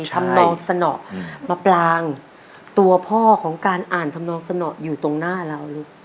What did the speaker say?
ทำนองสนอมาปลางตัวพ่อของการอ่านทำนองสนออยู่ตรงหน้าเราลูก